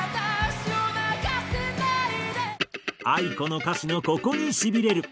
ａｉｋｏの歌詞のここにしびれる！